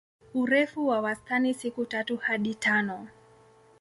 Urefu wa wastani siku tatu hadi tano.